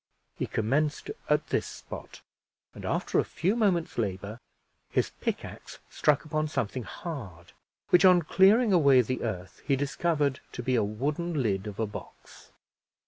He commenced at this spot, and, after a few moments' labor, his pick ax struck upon something hard, which, on clearing away the earth, he discovered to be a wooden lid of a box.